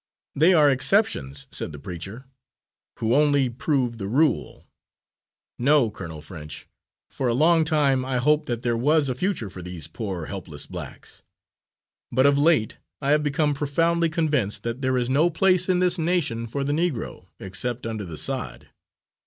"They are exceptions," said the preacher, "who only prove the rule. No, Colonel French, for a long time I hoped that there was a future for these poor, helpless blacks. But of late I have become profoundly convinced that there is no place in this nation for the Negro, except under the sod.